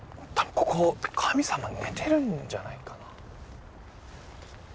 多分ここ神様寝てるんじゃないかな？